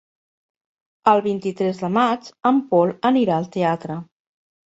El vint-i-tres de maig en Pol anirà al teatre.